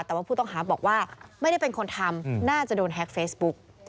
แต่ว่าผู้ต้องหาบอกว่าไม่ได้เป็นคนทำน่าจะโดนแฮ็กเฟซบุ๊ก